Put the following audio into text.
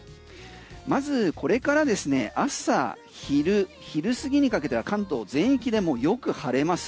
まずこれからですね、朝昼、昼過ぎにかけては関東全域でよく晴れます。